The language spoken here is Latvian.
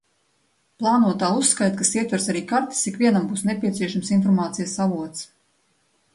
Plānotā uzskaite, kas ietvers arī kartes, ikvienam būs nepieciešams informācijas avots.